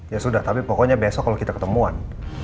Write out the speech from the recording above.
ya sudah tapi pokoknya besok kalau kita ketemuan